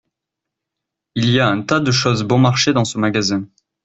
Il y a un tas de choses bon-marché dans ce magasin.